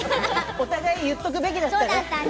お互い、言っとくべきだったね。